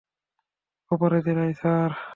অপরাধীরাই, sir.